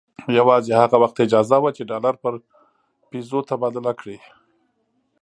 یوازې هغه وخت اجازه وه چې ډالر پر پیزو تبادله کړي.